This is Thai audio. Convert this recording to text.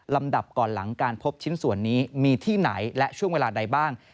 ดับก่อนหลังการพบชิ้นส่วนนี้มีที่ไหนและช่วงเวลาใดบ้าง